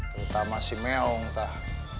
terutama si mewong teh